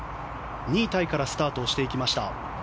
２位タイからスタートしていきました。